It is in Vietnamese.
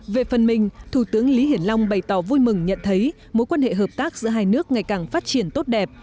về phần mình thủ tướng lý hiển long bày tỏ vui mừng nhận thấy mối quan hệ hợp tác giữa hai nước ngày càng phát triển tốt đẹp